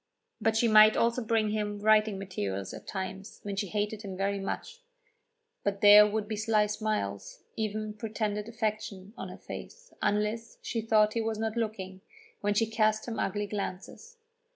But she might also bring him writing materials at times when she hated him very much. Then there would be sly smiles, even pretended affection, on her face, unless she thought he was not looking, when she cast him ugly glances.